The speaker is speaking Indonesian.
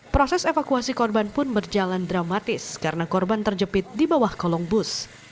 proses evakuasi korban pun berjalan dramatis karena korban terjepit di bawah kolong bus